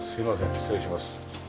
失礼します。